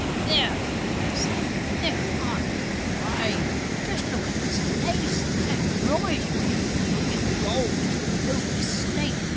"There!" he said. "There! Aren't we fine!... Just look at this lace and embroidery!... It's real gold and no mistake!"